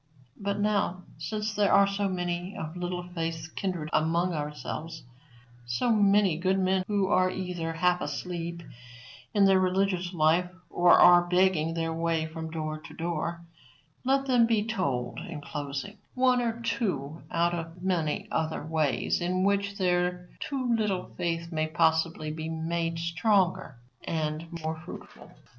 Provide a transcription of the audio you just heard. But, now, since there are so many of Little Faith's kindred among ourselves so many good men who are either half asleep in their religious life or are begging their way from door to door let them be told, in closing, one or two out of many other ways in which their too little faith may possibly be made stronger and more fruitful.